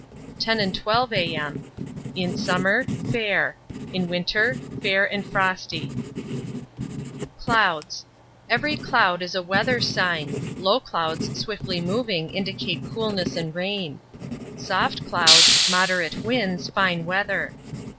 10 and 12 AM Fair Fair and frosty Clouds Every cloud is a weather sign. Low clouds swiftly moving indicate coolness and rain. Soft clouds, moderate winds, fine weather.